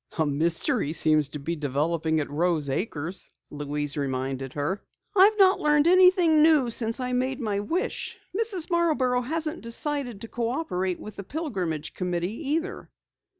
"A mystery seems to be developing at Rose Acres," Louise reminded her. "I've not learned anything new since I made my wish. Mrs. Marborough hasn't decided to cooperate with the Pilgrimage Committee either."